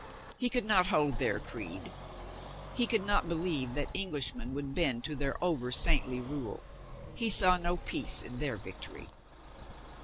He could not hold their creed. He could not believe that Englishmen would bend to their over saintly rule. He saw no peace in their victory.